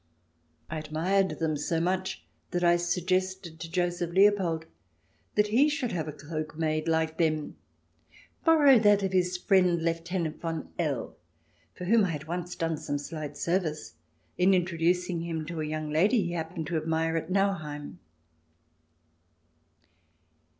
I admired them so much that I suggested to Joseph Leopold that he should have a cloak made like them — borrow that of his friend Lieutenant von L., for whom I had once done some slight service in introducing him to a young lady he hap pened to admire at Nauheim.